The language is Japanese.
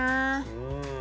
うん。